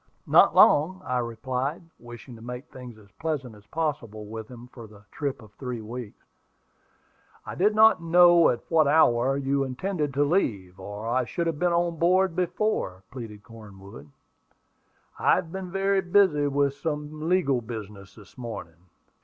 "Not long," I replied, wishing to make things as pleasant as possible with him for the trip of three weeks. "I did not know at what hour you intended to leave, or I should have been on board before," pleaded Cornwood. "I have been very busy with some legal business this morning."